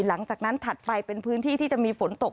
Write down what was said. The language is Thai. หลังจากนั้นถัดไปเป็นพื้นที่ที่จะมีฝนตก